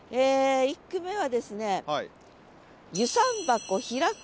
１句目はですね。